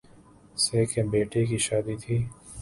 س کے بیٹے کی شادی تھی